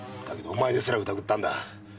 〔だけどお前ですら疑ったんだ〕